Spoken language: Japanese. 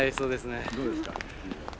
どうですか？